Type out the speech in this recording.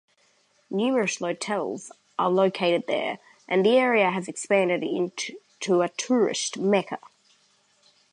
Numerous hotels are located there and the area has expanded into a tourist Mecca.